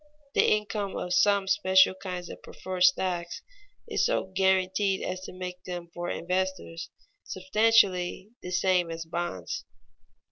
The income of some special kinds of "preferred stocks" is so guaranteed as to make them for investors substantially the same as bonds.